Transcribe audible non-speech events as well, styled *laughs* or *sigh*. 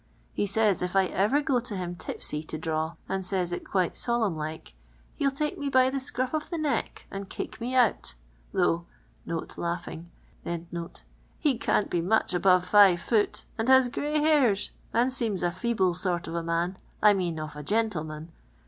He says if I ever go to him tipsy to draw, and says it <<inite solemn like, he 11 take mc liy the scruff of the neck and kick me out ; though *laughs* be cnn't be much above five foot, and has gray bain, and seems a feeble sort of a man, 1 mean of a gentleman.